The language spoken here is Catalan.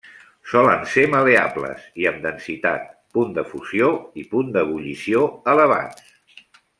Solen ser mal·leables, i amb densitat, punt de fusió i punt d'ebullició elevats.